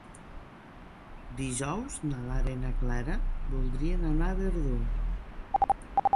Dijous na Lara i na Clara voldrien anar a Verdú.